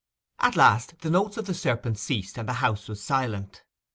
At last the notes of the serpent ceased and the house was silent.